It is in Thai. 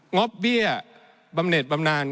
บเบี้ยบำเน็ตบำนาน